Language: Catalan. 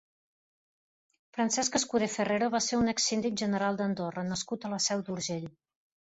Francesc Escudé Ferrero va ser un exsíndic general d'Andorra nascut a la Seu d'Urgell.